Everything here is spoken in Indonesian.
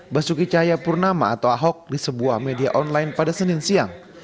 basuki cahayapurnama atau ahok di sebuah media online pada senin siang